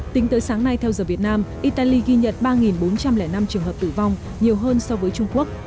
tính tới sáng nay theo giờ việt nam italy ghi nhận ba bốn trăm linh năm trường hợp tử vong nhiều hơn so với trung quốc